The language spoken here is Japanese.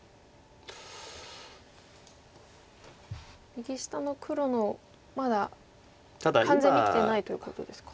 右下の黒のまだ完全に生きてないということですか。